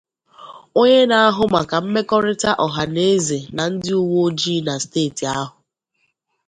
onye na-ahụ maka mmekọrịta ọhaneze na ndị uweojii na steeti ahụ